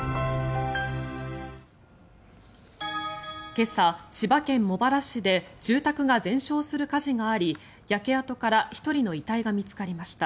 今朝、千葉県茂原市で住宅が全焼する火事があり焼け跡から１人の遺体が見つかりました。